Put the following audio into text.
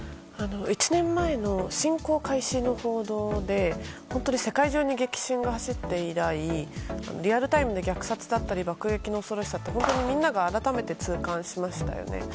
１年前の侵攻開始の報道で本当に世界中に激震が走って以来リアルタイムで虐殺や爆発の恐ろしさを本当にみんなが改めて痛感しましたよね。